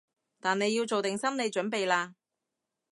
但你要做定心理準備喇